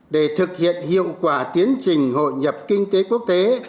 để thực hiện hiệu quả tiến trình hội nhập kinh tế quốc tế